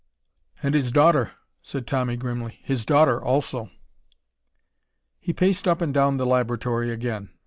"And his daughter," said Tommy grimly. "His daughter, also." He paced up and down the laboratory again.